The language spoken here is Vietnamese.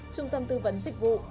trung tâm tư vấn dịch vụ